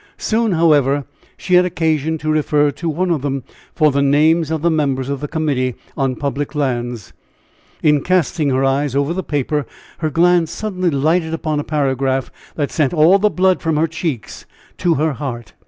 Soon, however, she had occasion to refer to one of them for the names of the members of the Committee on Public Lands. In casting her eyes over the paper, her glance suddenly lighted upon a paragraph that sent all the blood from her cheeks to her heart.